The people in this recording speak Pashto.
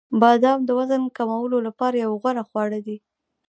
• بادام د وزن کمولو لپاره یو غوره خواړه دي.